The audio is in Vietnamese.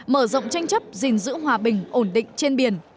mở rộng tranh chấp gìn giữ hòa bình ổn định trên biển